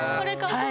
はい。